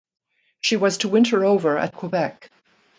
She was to winter over at Quebec.